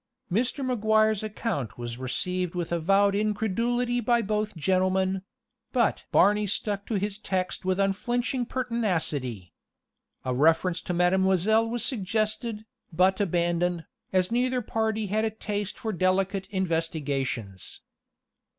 Mr. Maguire's account was received with avowed incredulity by both gentlemen; but Barney stuck to his text with unflinching pertinacity. A reference to Mademoiselle was suggested, but abandoned, as neither party had a taste for delicate investigations.